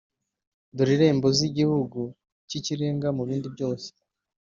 dore irembo z’igihugu cy’ikirenga mu bindi byose,